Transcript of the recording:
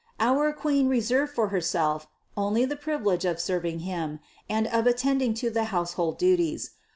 Our Queen reserved for Herself only the privilege of serving Him and of attending to the household duties.